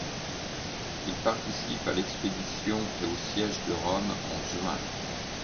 Il participe à l'expédition et au siège de Rome en juin.